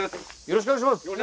よろしくお願いします。